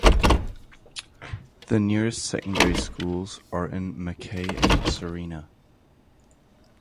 The nearest secondary schools are in Mackay and Sarina.